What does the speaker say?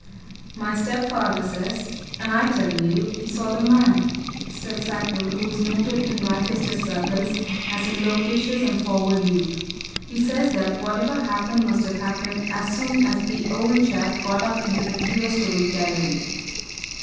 "My stepfather says and I tell you he saw the man," said Sackville, who was noted in Wrychester circles as a loquacious and forward youth; "he says that whatever happened must have happened as soon as ever the old chap got up into that clerestory gallery.